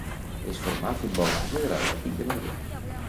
Es formà al futbol base de l'Atlètic de Madrid.